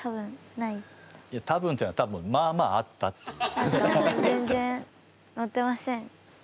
いや多分っていうのは多分まあまああったっていう。